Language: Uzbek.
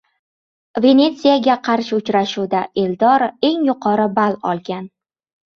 “Venetsiya”ga qarshi uchrashuvda Eldor eng yuqori ball olgan